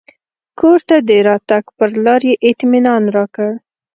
کور ته د راتګ پر لار یې اطمنان راکړ.